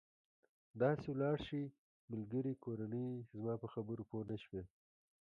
داسې ولاړ شئ، ملګري، کورنۍ، زما په خبرو پوه نه شوې.